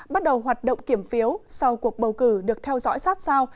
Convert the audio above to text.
bắt đầu hoạt động kiểm phiếu sau cuộc bầu cử được theo dõi sát sao